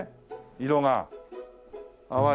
色が淡い。